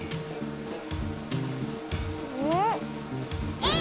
えい！